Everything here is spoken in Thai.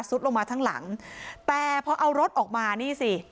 ลงมาทั้งหลังแต่พอเอารถออกมานี่สิ